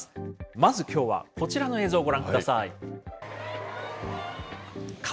まずきょうはこちらの映像、ご覧ください。